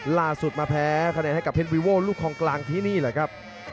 ล่าสุดมาแพ้คะแนนให้กับเพชรวิโว่ลูกคลองกลางที่นี่แหละครับ